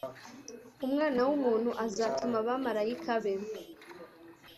Umwana w umuntu azatuma abamarayika be